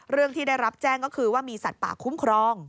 เรื่องที่ได้รับแจ้งก็คือว่ามีสัตว์ป่าคุ้มครอง